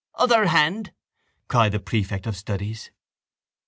—Other hand! shouted the prefect of studies.